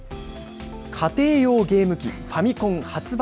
家庭用ゲーム機ファミコン発売